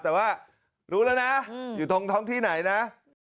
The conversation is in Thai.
แต่ว่ารู้แล้วนะอยู่ตรงท้องที่ไหนนะ